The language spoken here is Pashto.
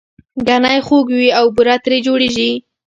ګنی خوږ وي او بوره ترې جوړیږي